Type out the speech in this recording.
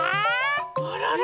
あらら！